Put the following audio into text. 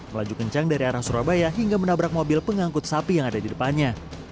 melaju kencang dari arah surabaya hingga menabrak mobil pengangkut sapi yang ada di depannya